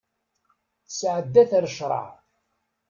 Tesɛedda-t ar ccṛeɛ.